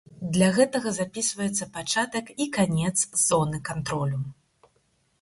Для гэтага запісваецца пачатак і канец зоны кантролю.